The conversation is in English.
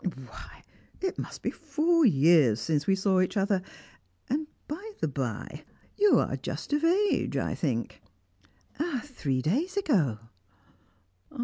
Why, it must be four years since we saw each other. And, by the bye, you are just of age, I think?" "Three days ago."